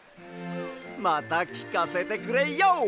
またきかせてくれＹＯ！